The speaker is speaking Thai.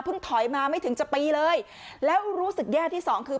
ถอยมาไม่ถึงจะปีเลยแล้วรู้สึกแย่ที่สองคือ